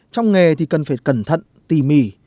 trong nghề thì cần phải cẩn thận tỉ mỉ